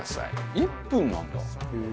１分なんだ！